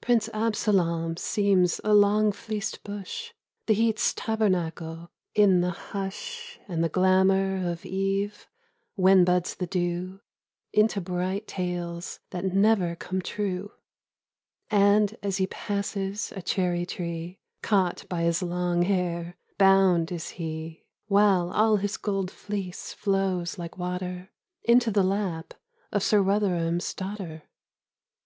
Prince Absolam seems a long fleeced bush. The heat's tabernacle, in the hush And the glamour of eve, when buds the dew Into bright tales that never come true ; And as he passes a cherry tree Caught by his long hair, bound is he, While all his gold fleece flows like water Into the lap of Sir Rotherham' s daughter.